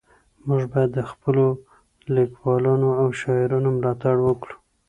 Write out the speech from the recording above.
موږ باید د خپلو لیکوالانو او شاعرانو ملاتړ وکړو.